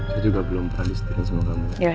saya juga belum pernah disetirin sama kamu ya